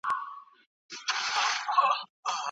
موږ شکلونه پېژنو.